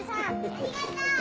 ありがとう！